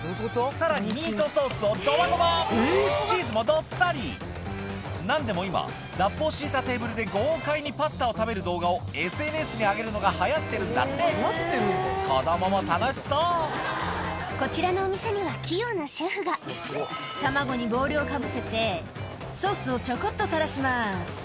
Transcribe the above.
さらにミートソースをドバドバチーズもどっさり何でも今ラップを敷いたテーブルで豪快にパスタを食べる動画をＳＮＳに上げるのが流行ってるんだって子供も楽しそうこちらのお店には器用なシェフが「卵にボウルをかぶせてソースをちょこっと垂らします」